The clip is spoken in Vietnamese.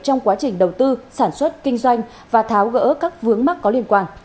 trong quá trình đầu tư sản xuất kinh doanh và tháo gỡ các vướng mắc có liên quan